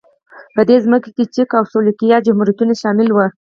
په دې ځمکو کې چک او سلواکیا جمهوریتونه شامل وو.